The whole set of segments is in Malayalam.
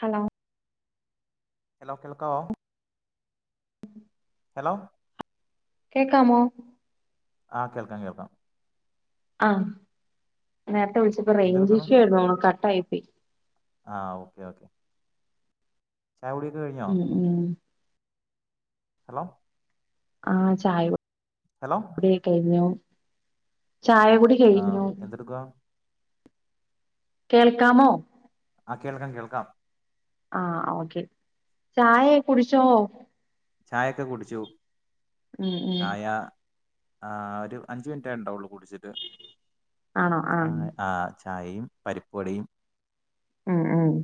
ഹലോ ഹലോ കേൾക്കാവോ ഹലോ കേക്കാമോ ആഹ കേൾക്കാം കേൾക്കാം ആഹ നേരത്തെ വിളിച്ചപ്പോ റേഞ്ച് ഇഷ്യൂ ആണ് കട്ടായി പോയി ആഹ ഓക്കെ ഓക്കെ ചായകുടിയൊക്കെ കഴിഞ്ഞോ ഉം ഉം ഹലോ ആഹ ഹലോ ചായകുടി കഴിഞ്ഞു ചായ കൂടി ആ കഴിഞ്ഞു എന്തെടുക്കുവാ കേൾക്കാമോ ആ കേൾക്കാം കേൾക്കാം ആ ഓക്കെ ചായ കുടിച്ചോ ചായൊക്കെ കുടിച്ചു മ്മ് മ്മ് ചായ ആ ഒരു അഞ്ചു മിനിറ്റായിട്ടുണ്ടാവൊള്ളൂ കുടിച്ചിട്ട് ആണോ ആഹ് ആ ചായയും പരിപ്പു വടയും മ്മ് മ്മ്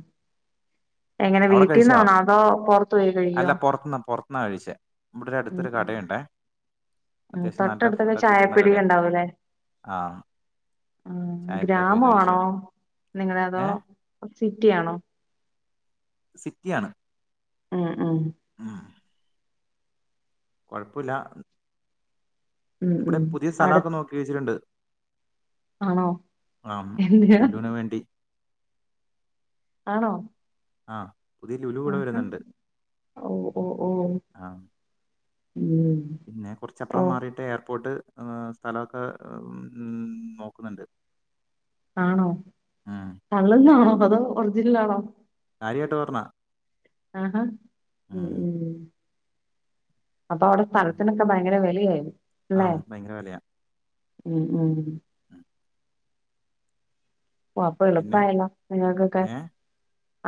എങ്ങനെ അവിടെ കഴിച്ചോ വീട്ടിൽന്നാണോ അതോ പുറത്ത് പോയി അല്ല കഴിക്കോ പുറത്തുന്നാ പുറത്തുന്നാ കഴിച്ചേ ഇവിടെ അടുത്തൊരു കടയുണ്ടേ ഉ അത്യാവശ്യം നല്ല തൊട്ടടുത്തൊക്കെ ഫുഡൊക്കെ കിട്ടുന്ന കടയാ ചായപ്പീടിക ഉണ്ടാവൂല്ലേ ആ ആഹ ചായക്കടയിൽ പോയി കഴിച്ചു ഗ്രാമമാണോ നിങ്ങൾ അതോ ഏ സിറ്റിയാണോ സിറ്റിയാണ് മ്മ് മ്മ് കൊഴപ്പമില്ല ഉം ഇവിടെ ഉം പുതിയ അടു സ്ഥലമൊക്കെ നോക്കി വച്ചിട്ടുണ്ട് ആണോ എന്തിനാ ലുലുവിന് വേണ്ടി ആണോ ആഹ പുതിയ ലുലു കൂടെ ആഹാ വരുന്നുണ്ട് ഓ ഓ ഓ ആഹ ഉം പിന്നെ ഓ കുറച്ചപ്പുറം മാറിയിട്ട് എയർപോർട്ട് സ്ഥലമൊക്കെ മ്മ് നോക്കുന്നുണ്ട് ആണോ ഉം കള്ളന്നാണോ അതോ ഒറിജിനൽ ആ ണോ കാര്യായിട്ട് പറഞ്ഞ ആഹഹാ മ്മ് അപ്പൊ അവിടെ സ്ഥലത്തിനൊക്കെ ഭയങ്കര വിലയായല്ലേ ആ ഭയങ്കര വിലയാ മ്മ് മ്മ് ഉം. ഓ അപ്പൊ പിന്നെ എളുപ്പയല്ലോ നിങ്ങൾക്കൊക്കെ ഏഹ്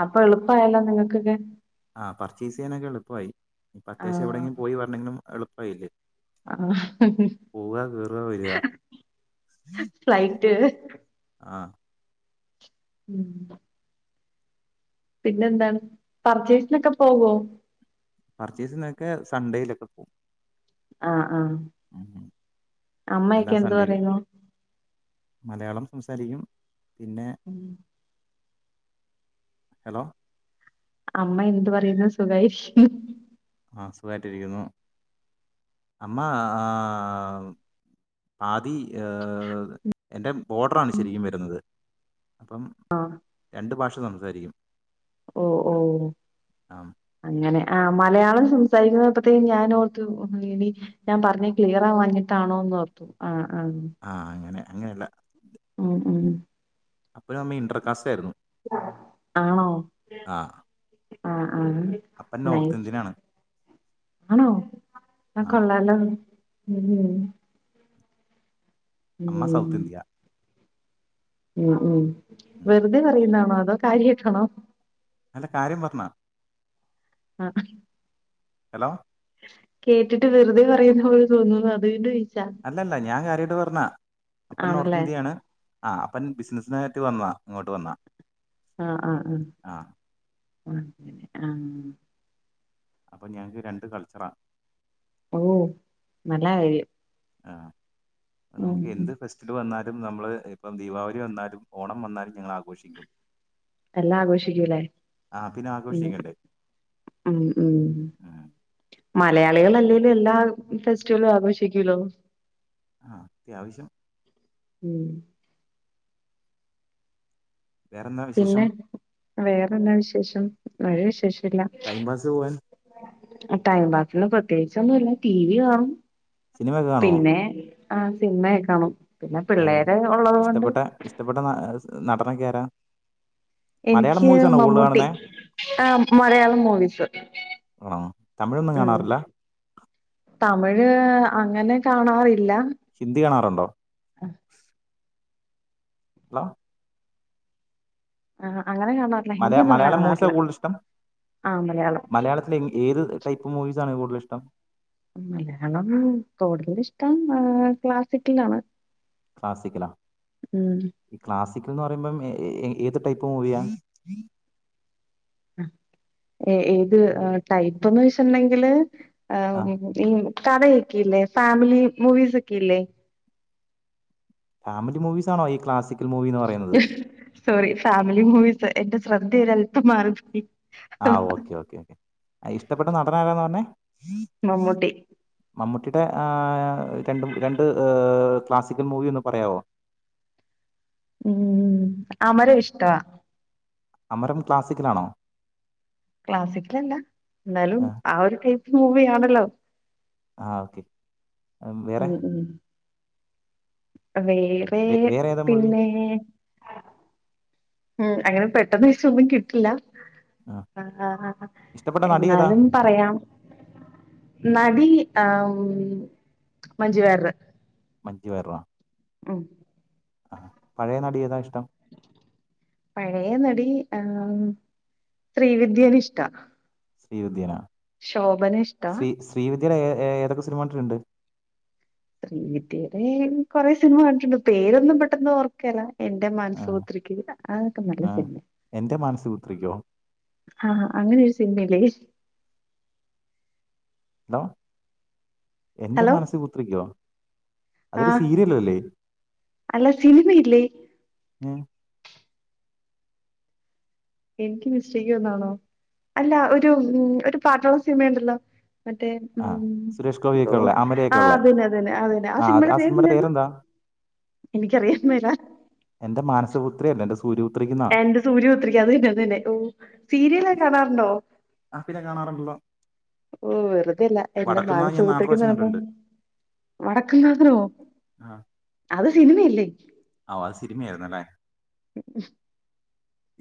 അപ്പൊ എളുപ്പായല്ലോ നിങ്ങക്കൊക്കെ ആ പർച്ചേസ് ചെയ്യാനൊക്കെ എളുപ്പമായി ഇപ്പൊ അത്യാവശ്യം എവിടെങ്കിലും പോയി വരാണെങ്കിലും എളുപ്പമായില്ലേ ആഹ മ്മ് മ്മ് പോവുക കേറുക വരിക ഫ്ലൈറ്റ് ആഹ് മ്മ് പിന്നെന്താണ് പർച്ചേസിനൊക്കെ പോവോ പർച്ചേസ്ന്നൊക്കെ സൺഡേയിലൊക്കെ പോവും ആഹ ആഹ എല്ലാ അമ്മയൊക്കെ എന്ത് സൺഡേയിലും പറയുന്നു മലയാളം സംസാരിക്കും പിന്നെ ഹെലോ അമ്മ എന്ത് പറയുന്നു സുഖായിരിക്കുന്നോ ആ സുഖമായിട്ടിരിക്കുന്നു അമ്മ ആ ആ ആതി ഏ എന്റെ ബോഡറാണ് ശരിക്കും വരുന്നത് അപ്പം ആഹ് രണ്ട് ഭാഷ സംസാരിക്കും ഓ ഓ ആ അങ്ങനെ ആ മലയാളം സംസാരിക്കുന്നതപ്പത്തയേക്കും ഞാൻ ഓർത്തു ഇനി ഞാൻ പറഞ്ഞത് ക്ലിയറാ വാഞ്ഞിട്ടാണോന്ന് ന്നോർത്തു ആ ആ ആ അങ്ങനെ അങ്ങനെയല്ല ഉം ഉം അപ്പൊഴും അമ്മ ഇന്റർകാസ്റ്റ് ആയിരുന്നു ആണോ ആ ആ ആ അപ്പൻ നോർത്ത് നൈസ് ഇന്ത്യനാണ് ആണോ അ ആ കൊള്ളാല്ലോ ഉം ഉം അമ്മ സൗത്ത് ഇന്ത്യ ഉം ഉം ഉം. വെറുതെ പറയുന്നാണോ അതോ കാര്യായിട്ടാണോ അല്ല കാര്യം പറഞ്ഞാ അ ഹലോ കേട്ടിട്ട് വെറുതെ പറയുന്ന പോലെ തോന്നുന്നു [unintelligible] അല്ലല്ല ഞാൻ കാര്യായിട്ട് പറഞ്ഞാ അപ്പൻ നോർത്ത് ആണല്ലേ ഇന്ത്യയാണ് ആ അപ്പൻ ബിസിനസ്സിനായിട്ട് വന്നാ ഇങ്ങോട്ട് വന്നാ അ അ ആ അങ്ങനെ ആ അപ്പം ഞങ്ങക്ക് രണ്ട് കൾച്ചറാ ഓ നല്ലകാര്യം ആ നമുക്ക് എന്ത് ഫെസ്റ്റ്ൽ വന്നാലും നമ്മള് ഇപ്പം ദീപാവലി വന്നാലും ഓണം വന്നാലും ഞങ്ങൾ ആഘോഷിക്കും എല്ലാം ആഘോഷിക്കും ല്ലേ ആ പിന്നെ ഉം ആഘോഷിക്കണ്ടേ ഉം ഉം ഉം. മലയാ ആളുകളല്ലേലും എല്ലാ ഫെസ്റ്റിവലും ആഘോഷിക്കുല്ലോ ആ അത്യാവശ്യം ഉം വേറെന്താ വിശേഷം വേറെന്താ വിശേഷം ഒരു വിശേഷൂല്ല ടൈം പാസ് പോവാൻ ടൈം പാസിന് പ്രത്യേകിച്ചൊന്നുല്ല ടി വി കാണും സിനിമയൊക്കെ കാണുവോ പിന്നെ ആ സിനിമയൊക്കെ കാണും പിന്നെ ആഹ് പിള്ളേര് ഉള്ളത് കൊണ്ട് ഇഷ്ടപ്പെട്ട ഇഷ്ടപ്പെട്ട ന- നടനൊക്കെ ആരാ മലയാളം എനിക്ക് മൂവീസാണോ കൂടുതൽ മമ്മൂട്ടി കാണുന്നേ ആ മലയാളം മൂവീസ് ആണോ തമിഴൊന്നും ഉം കാണാറില്ല തമിഴ് അങ്ങനെ കാണാറില്ല ഹിന്ദി കാണാറുണ്ടോ അ ഹലോ ആ അങ്ങനെ കാണാറില്ല മലയാ ഹിന്ദിയൊന്നും അങ്ങനെ മലയാളം മൂവീസാ കാണാറില്ല കൂടുതൽ ഇഷ്ടം ആ മലയാളം മലയാളത്തിൽ ഏത് ടൈപ്പ് മൂവീസാണ് കൂടുതൽ ഇഷ്ടം മലയാളം കൂടുതൽ ഇഷ്ടം ഏ ക്ലാസിക്കലാണ് ക്ലാസിക്കലോ ഉം ഈ ക്ലാസ് ക്കൽന്ന് പറയുമ്പം ഏ ഏത് ടൈപ്പ് മൂവിയാ അ ഏ ഏത് ടൈപ്പന്ന് വെച്ചിണ്ടെങ്കില് ആം ആഹ് ഈ കഥയൊക്കെ ഇല്ലേ ഫാമിലി മൂവീസ് ഒക്കെ ഇല്ലേ? ഫാമിലി മൂവീസ് ആണോ ഈ ക്ലാസിക് സോറി ഫാമിലി മൂവീസ് എന്റെ ശ്രദ്ധഒരൽപ്പം മാറി പോയി. ആ ഓക്കെ ഓക്കേ ക്കെ ഇഷ്ടപ്പെട്ട നടൻ ആരാന്നാ പറഞ്ഞെ? മമ്മൂട്ടി. ട്ടിടെ ആ രണ്ട് രണ്ട് ഹ് ക്ലാസിക്കൽ മൂവി ഒന്ന് പറയാവോ? മം അമരം ഇഷ്ടവാ. അമരം ക്ലാസിക്കലാണോ? ക്ലാസിക്കലല്ല ഇന്നാലും ആഹ് ആ ഒരു ടൈപ്പ് മൂവി ആണല്ലോ? ആ ഓക്കെ മം വേറെ? ഉം ഉം വേറെ വേ- വേറെ ഏതാ മൂവി പിന്നെ. മം അങ്ങനെ പെട്ടെന്ന് ഒയിച്ച ഒന്നും കിട്ടില്ല. ആഹ് ആ ഇഷ്ടപ്പെട്ട നടി ഏതാ എന്നാലും പറയാം. നടി ആം മഞ്ചു വാര്യറ്. മഞ്ചു വാരിറോ? മ്മം. ആ പഴയ നടിയെതാഷ് പഴയ ന ദി മം ശ്രീവിദ്യന് ഇഷ്ട്ടാ. ശ്രീ വിദ്യനാ. ശോഭനെ ഇഷ്ട്ടാ. ഇദിനെ ഏ ഏതൊക്കെ സിനിമണ്ടിട്ടുണ്ട്? ശ്രീവിദ്യടെ കൊറെ സിനിമ കണ്ടിട്ടുണ്ട്. പേരൊന്നും പെട്ടെന്ന് ഓർക്കേല്ല. എന്റെ ആഹ് മാനസപുത്രിക്ക് അതൊക്കെ നല്ല ആഹ് സിനിമേ എന്റെ മാനസപുത്രിക്കോ ആഹ അങ്ങനെ ഒരു സിനിമിലെ? ഹലോ എന്റെ ഹലോ മാനസ പുത്രിക്ക്യോ? ആഹ് അല്ല സിനിമ ഇല്ലേ? ഏഹ് എനിക്ക് മിസ്റ്റേയ്ക് വന്നാണോ. അല്ല ഒരു മം ഒരു പാട്ടോള സിനിമയുണ്ടല്ലോ? മറ്റേ ആഹ് മം സുരേഷ് ഓ ഗോപിയൊക്കെ ഉള്ള അമലയൊക്കെ ഉള്ള അതെന്നെ അതെന്നെ അതെന്നെ ആ സിനിമയുടെ പേരെന്തായിരുന്നു? എനിക്കറിയാൻ മേല [unintelligible] പുത്രി അല്ല സു എന്റെ സൂര്യ പുത്രിക്ക്, അതെന്നെ അതെന്നെ ഓ സീരില് കാണാറുണ്ടോ? ആപ്പിനെ കാണാറുണ്ടല്ലോ? ഓ വെറുതെല്ല എന്റെ വടക്കുന്നാവ് ഞാൻ നാല് മാനസപുത്രിക്ക്ന്ന് പ്രാവശ്യം പറഞ്ഞപ്പോ കണ്ടിട്ടുണ്ട് വടക്കും നാഥനോ അത് സിനിമയില്ലേ? ഓആ അത് സിനിമായിരുന്നുലെ?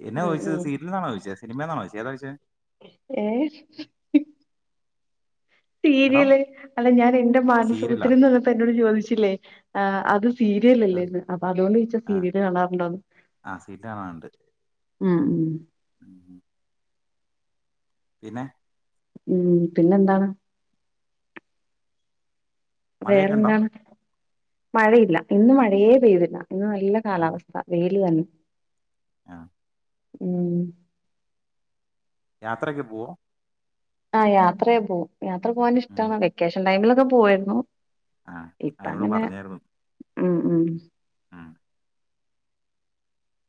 എന്നാ ഉം ചോദിച്ചത് ഉം സീരിലാണോ ചോദിച്ചത്? സിനിമെന്നാണോ ചോദിച്ചേ, ഏതാചോയിച്ചേ? ഏ ഹലോ സീരിയല് അല്ല ഞാൻ എന്റെ സീരിയലാ മാനസപുത്രീന്ന് എന്നോട് ചോദിച്ചില്ലേ? ആ അത് ആഹ് സീരിയലല്ലെന്ന്‌ അപ്പൊ അതോണ്ട് ചോയ്ച്ച സീരിയൽ കാണാറുണ്ടോന്ന്. ആ സീരീൽ കാണാർണ്ട്. മ് മ്മം. [inaudible] പിന്നെ മം പിന്നെ എന്താണ്? മഴയൊക്കെ ഉണ്ടോ വേറെന്താണ് മഴയില്ല ഇന്ന് മഴയേ പെയ്തില്ല. ഇന്ന് നല്ല കാലാവസ്ഥ വെയിൽ തന്നെ. ആ മം യാത്രയൊക്കെ പോവോ? ആഹ യാത്രയെ പോകും യാത്ര പോകൻ ഇഷ്ടമാണ് വെക്കേഷൻ ടൈമിലൊക്കെ പോവായിരുന്നു. ആഹ ഇപ്പ അതെനോട് അങ്ങനെ പറഞ്ഞായിരുന്നു. ഉം ഉം ആഹ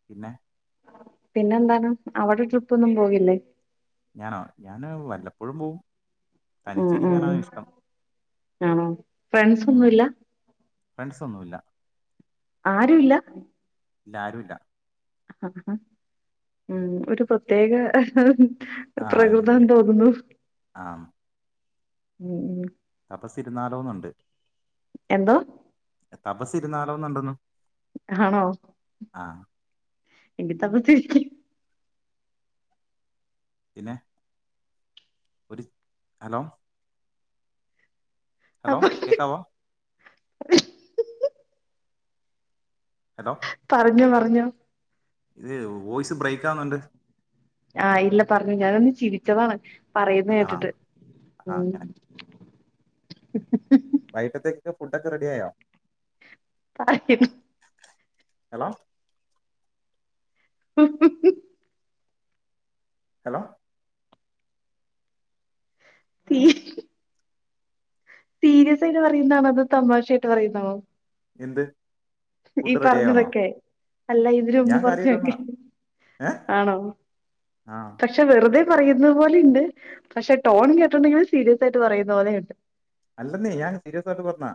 പിന്നെ പിന്നെന്താണ് അവിടെ ട്രിപ്പ് ഒന്നും പോകില്ലേ ഞാനോ ഞാന് വല്ലപ്പോഴും പോക്കും ഉം ഉം തനിച്ചിരിക്കാനാ ഇഷ്ടം ആണോ ഫ്രണ്ട്സ ഒന്നും ഇല്ല ഫ്രണ്ട്സ ഒന്നുമില്ല ആരും ഇല്ല ആരുല്ല ആ ഉ ഒരു പ്രത്യേക ആഹ് അതെ പ്രകൃതം അതെ ന്ന് തോന്നുന്നു ഉ തപസിരുന്നാലോന്നുണ്ട് എന്തോ തപസ് ഇരുന്നാലോന്നുണ്ടന്ന് ആണോ ആഹ എങ്കിൽ തപസ്സിരിക്ക് പിന്നെ ഒരു ഹലോ ഹലോ അപ്പൊ കേക്കാവോ ഹലോ പറഞ്ഞോ പറഞ്ഞോ ഇത് വോയ്സ് ബ്രേക്ക് ആവുന്നുണ്ട് ആഹ ഇല്ല പറഞ്ഞോ ഞാൻ ഒന്ന് ചിരിച്ചതാണ് പറയുന്നത് ആണോ കേട്ടിട്ട് ഉ ആഹ് അങ്ങനെ വൈക്കിട്ടത്തെക്ക് ഫുഡ്‌ ഒക്കെ റെടിയാ യോ പറയ്യു ഹലോ ഹ ഹ ഹ ഹലോ പിന്നെ സീരിയസ് ആയിട്ട് പറയുന്നതാണോ അതോ തമാശ ആായിട്ട് പറയുന്നാണോ എന്ത് ഈ ഫുഡ് റെഡി ആയി വന്നാ പറഞ്ഞതൊക്കെ അല്ല ഇതിന് മുമ്പ് ഞാൻ കാര്യായിട്ട് കുറച്ചൊക്കെ വന്നാ ഏഹ് ആണോ, ആ പക്ഷെ വെറുതെ പറയുന്നത് പോലെയുണ്ട് പക്ഷെ ടോൺ കേട്ടുണ്ടെങ്കിൽ സീരിയസ് ആയിട്ട് പറയുന്ന പോലെയുണ്ട് അല്ലെന്നീ ഞാൻ സീരിയസ ആയിട്ട് പറഞ്ഞാ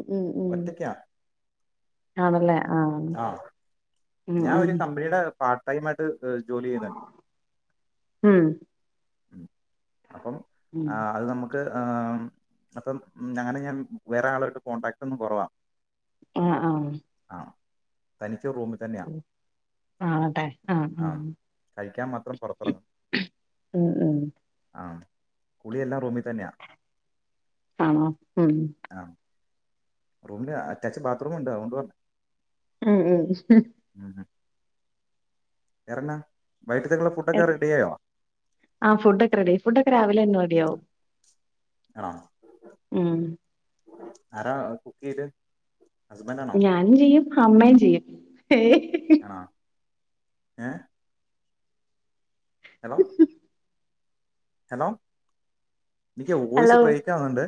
ഉം ഉം ഒറ്റക്കാ ആണല്ലേ ആഹ ആ ഞാൻ ഒരു കമ്പനിയുടെ പാർട്ട് ടൈം ആയിട്ട് ഏർ ജോലി ചെയ്യുന്നുണ്ട് ഉം ഉം അപ്പം അത് നമുക്ക് നമുക്ക് അപ്പം അങ്ങനെ ഞൻ വേറെ ആരാളായിട്ട് കോൺടാക്ട് ഒന്ന് കുറവാ ആഹ ആഹ തനിച്ച് ഒരു റൂമിൽ തന്നെയാണ് ആ അട്ടെ ആ ഉ കഴിക്കാൻ മാത്രം പുറത്തിറങ്ങും ഉം ഉം കുളി എല്ലാം റൂമിൽ തന്നെയാ ആണോ ഉം ആ റൂമില് അറ്റാച്ച് ബാത്റൂം ഉണ്ട് അതുകൊണ്ട് പറഞ്ഞത് ആഹ എറണാകുളം എൻ ആ ഫുഡോക്കെ റെഡി ആയി ഫുഡൊക്കെ രാവിലെ തന്നെ റെഡിയാവും ആണോ ഉം ആരാ കുക്കെയ്തേ ഞാനും ചെയ്യും അമ്മയും ചെയ്യും ഏയ് ആണോ ഏ ഹലോ ഹലോ നിക്ക് വോയ്സ് ഹലോ ബ്രേക്കാവുന്നുണ്ട്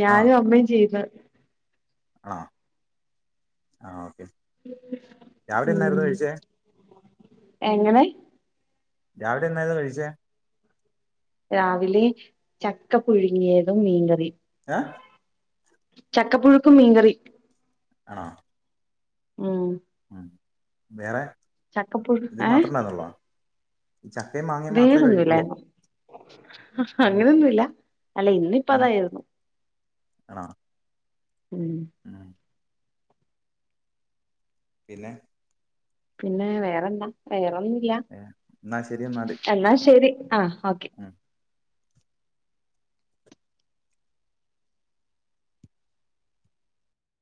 ഞാനും അമ്മയും ചെയ്യുന്ന് ആ ആ ഓക്കെ രാവിലെ ഉം എന്നായിരുന്നു കഴിച്ചേ എങ്ങനെ രാവിലെ എന്നായിരുന്നു കഴിച്ചേ രാവിലെ ചക്ക പുഴുങ്ങിയതും മീൻകറിയും ഏ ചക്ക പുഴുക്കും മീൻകറിയും ആണോ ഉം ഉം വേറെ ചക്കപ്പുഴു ഏ ചക്കേം മാങ്ങേ മാത്രമേ കഴിക്കുള്ളോ [unintelligible] ആഹാ ഉം അങ്ങനെയൊന്നുല്ല ഉം ഇന്നിപ്പതായിരുന്നു ആണോ ഉം ഉം പിന്നെ പിന്നെ വേറെന്താ വേറൊന്നുല്ല ഏ, എന്നാ ശരി എന്നാല് എന്നാ ശരി ആ ഓക്കെ ഉം